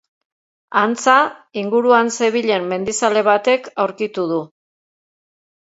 Antza, inguruan zebilen mendizale batek aurkitu du.